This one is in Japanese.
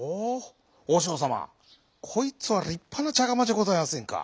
おしょうさまこいつはりっぱなちゃがまじゃございませんか。